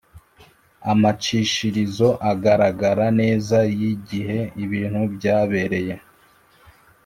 amacishirizo agaragara neza y’igihe ibintu byabereye.